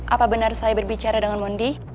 apa benar saya berbicara dengan mondi